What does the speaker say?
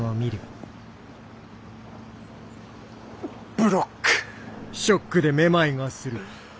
ブロック！